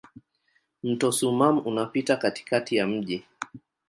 Mto Soummam unapita katikati ya mji.